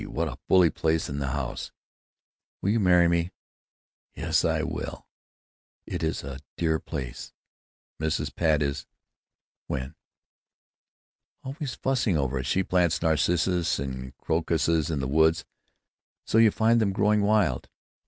what a bully place. And the house!... Will you marry me?" "Yes, I will!... It is a dear place. Mrs. Pat is——" "When?" "——always fussing over it; she plants narcissuses and crocuses in the woods, so you find them growing wild."